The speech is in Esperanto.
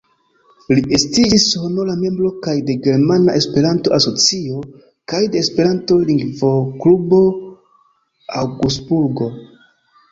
Li estiĝis honora membro kaj de Germana Esperanto-Asocio kaj de Esperanto-Lingvoklubo Aŭgsburgo.